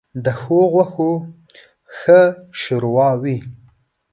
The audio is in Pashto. ـ د ښو غوښو ښه ښوروا وي.